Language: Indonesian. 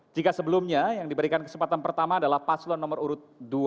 jika sebelumnya yang diberikan kesempatan pertama adalah paslon nomor urut dua